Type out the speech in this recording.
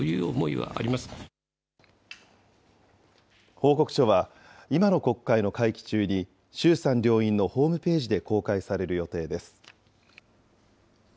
報告書は、今の国会の会期中に、衆参両院のホームページで公開される予定です。